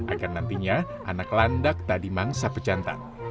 agar nantinya anak landak tak dimangsa pecantat